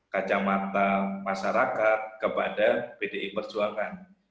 kacamata masyarakat kepada pdi perjuangan